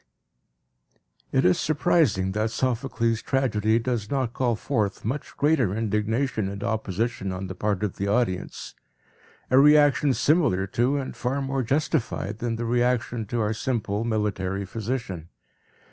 It is surprising that Sophocles' tragedy does not call forth much greater indignation and opposition on the part of the audience, a reaction similar to, and far more justified, than the reaction to our simple military physician.